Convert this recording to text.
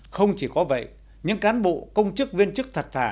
không chỉ có vậy những cán bộ công chức viên chức thật thà